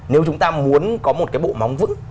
nếu chúng ta muốn có một cái bộ móng vững